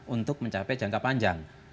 untuk mencapai jangka panjang